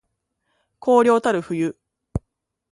荒涼たる冬